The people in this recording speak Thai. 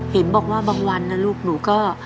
เห็นบอกว่าบางวันนะลูกหนูก็